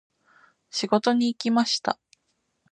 仕事に行きました。